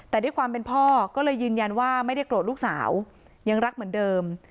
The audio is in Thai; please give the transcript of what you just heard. แต่ด้วยความเป็นพ่อก็เลยยืนยันว่าไม่ได้โกรธลูกสาวยังรักเหมือนเดิม